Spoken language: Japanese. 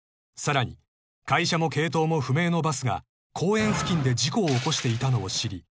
［さらに会社も系統も不明のバスが公園付近で事故を起こしていたのを知り